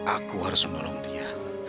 aku harus menolong dia